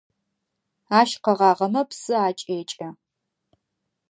Ащ къэгъагъэмэ псы акӏекӏэ.